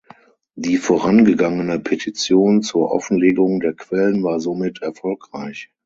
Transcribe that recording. Die vorangegangene Petition zur Offenlegung der Quellen war somit erfolgreich.